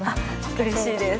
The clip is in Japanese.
うれしいです。